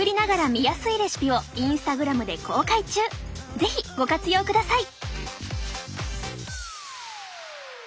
是非ご活用ください。